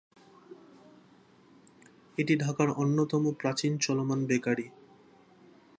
এটি ঢাকার অন্যতম প্রাচীন চলমান বেকারি।